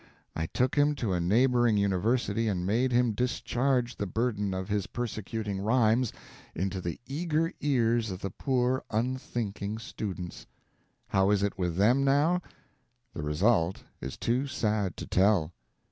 I took him to a neighboring university and made him discharge the burden of his persecuting rhymes into the eager ears of the poor, unthinking students. How is it with them, now? The result is too sad to tell.